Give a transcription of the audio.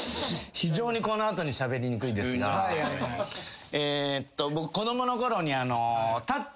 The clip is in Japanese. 非常にこの後にしゃべりにくいですがえっと僕子供の頃にあの。